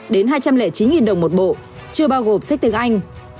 đến hai trăm linh chín đồng một bộ chưa bao gồm sách tiếng anh